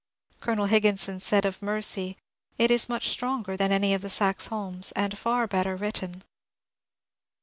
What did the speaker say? Colonel Higginson said of '^ Mercy "^^ It is much stronger than any of the Saxe Holms, and far better written."